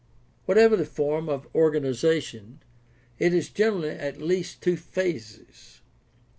Whatever the form of organization, it has generally at least two phases.